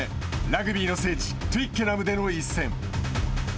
ラグビーの聖地・トゥイッケナムでの一戦。